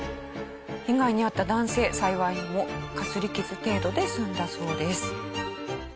被害に遭った男性幸いにもかすり傷程度で済んだそうです。